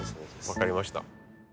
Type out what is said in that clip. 分かりました。